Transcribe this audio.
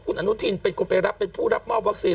คุณอนุทินเป็นคนไปรับเป็นผู้รับมอบวัคซีน